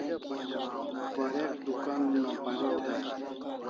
Warek dukan una pariu dai